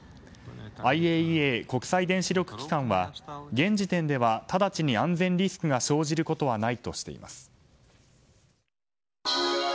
ＩＡＥＡ・国際原子力機関は現時点ではただちに安全リスクが生じることはないとしています。